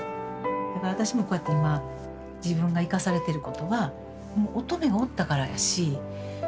だから私もこうやって今自分が生かされてることはもう音十愛がおったからやし。